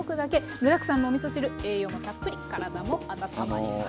具だくさんのおみそ汁栄養もたっぷり体も温まります。